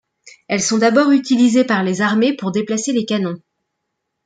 Elles sont d'abord utilisées par les armées pour déplacer les canons.